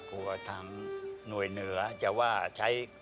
กลัวทางหน่วยเหนือจะว่าใช้